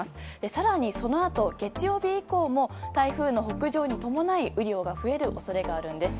更にそのあと、月曜日以降も台風の北上に伴い雨量が増える恐れがあるんです。